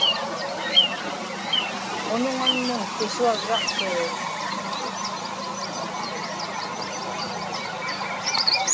unuŋanmun pisuarraqsirut